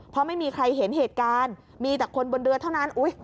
เพราะไม่มีใครเห็นเหตุการณ์มีแต่คนบนเรือเท่านั้น